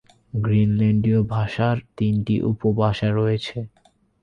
গ্রিনল্যান্ডীয় ভাষার তিনটি উপভাষা রয়েছে।